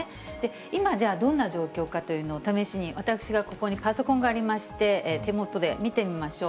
今、じゃあどんな状況かというのを、試しに私、ここにパソコンがありまして、手元で見てみましょう。